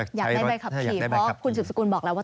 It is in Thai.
อยากได้ใบขับขี่เพราะคุณสืบสกุลบอกแล้วว่า